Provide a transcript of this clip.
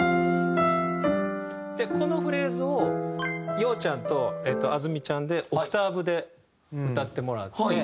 このフレーズを陽ちゃんとあず美ちゃんでオクターブで歌ってもらって。